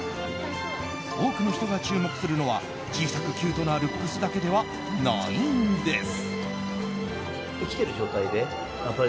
多くの人が注目するのは小さくキュートなルックスだけではないんです。